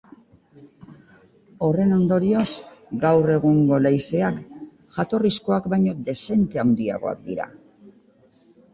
Horren ondorioz gaur egungo leizeak jatorrizkoak baino dezente handiagoak dira.